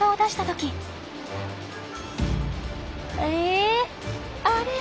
えあれ？